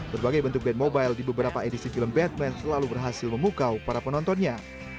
berbagai bentuk band mobile di beberapa edisi film batman selalu berhasil memukau para penontonnya